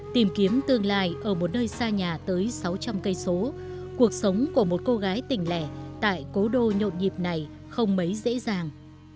tìm kiếm tương lai ở một nơi xa nhà tới sáu trăm linh cây số cuộc sống của một cô gái tỉnh lẻ tại cố đô nhộn nhịp này không mấy dễ dàng